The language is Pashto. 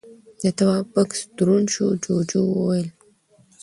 د تواب بکس دروند شو، جُوجُو وويل: